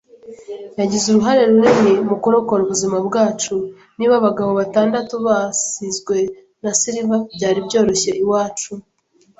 yagize uruhare runini mu kurokora ubuzima bwacu. Niba abagabo batandatu basizwe na silver, byari byoroshye iwacu